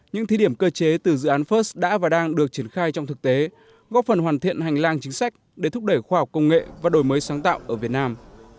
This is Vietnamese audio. những thí điểm cơ chế từ dự án first đã và đang được triển khai trong thực tế góp phần hoàn thiện hành lang chính sách để thúc đẩy khoa học công nghệ và đổi mới sáng tạo ở việt nam